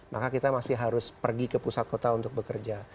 maka kita masih harus pergi ke pusat kota untuk bekerja